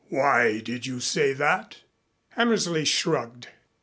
"Why did you say that?" Hammersley shrugged.